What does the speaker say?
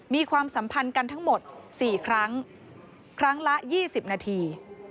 ความสัมพันธ์กันทั้งหมด๔ครั้งครั้งละ๒๐นาที